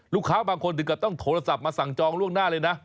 ลูกค้าบางคนถึงกับต้องโทรศัพท์มาสั่งจองล่วงหน้าเลยนะ